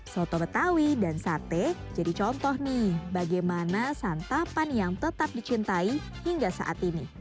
soto betawi dan sate jadi contoh nih bagaimana santapan yang tetap dicintai hingga saat ini